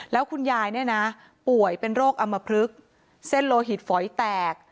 แล้วคุณยายเนี่ยนะป่วยเป็นโรคอำมพลึกเส้นโลหิตฝอยแตก